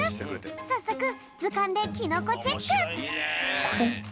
さっそくずかんでキノコチェック！